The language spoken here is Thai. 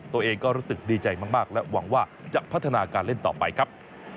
ตัวเองก็รู้สึกดีใจมากและหวังว่าจะพัฒนาการเล่นต่อไปครับ